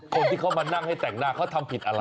คนที่เขามานั่งให้แต่งหน้าเขาทำผิดอะไร